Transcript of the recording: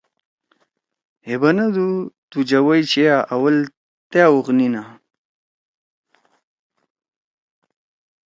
ہے بنَدُو تو جوئی چھیا اول تا اُوخ نینا۔